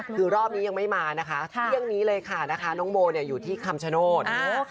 คือรอบนี้ยังไม่มานะคะเที่ยงนี้เลยค่ะนะคะน้องโบอยู่ที่คำชโนธ